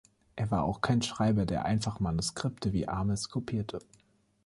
Er war auch kein Schreiber, der einfach Manuskripte wie Ahmes kopierte.